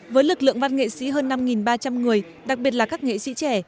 với lực lượng văn nghệ sĩ hơn năm ba trăm linh người đặc biệt là các nghệ sĩ trẻ